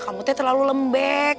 kamu tuh terlalu lembek